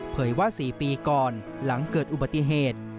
ว่า๔ปีก่อนหลังเกิดอุบัติเหตุ